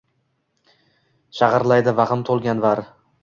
Shag’irlaydi vahm to’lgan jar